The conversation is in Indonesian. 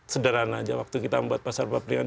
sederhana aja waktu kita membuat pasar paprian